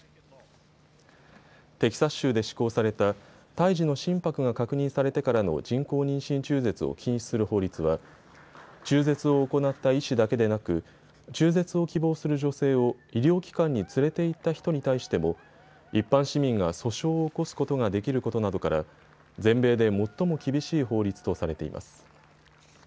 テキサス州で施行された胎児の心拍が確認されてからの人工妊娠中絶を禁止する法律は中絶を行った医師だけでなく中絶を希望する女性を医療機関に連れて行った人に対しても一般市民が訴訟を起こすことができることなどから全米で最も厳しい法律とされています。